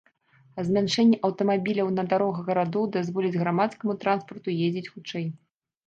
А змяншэнне аўтамабіляў на дарогах гарадоў дазволіць грамадскаму транспарту ездзіць хутчэй.